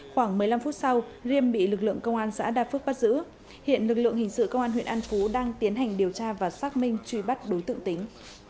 khoảng một mươi năm phút sau riêm bị lực lượng công an xã đa phước bắt giữ hiện lực lượng hình sự công an huyện an phú đang tiến hành điều tra và xác minh truy bắt đối tượng tính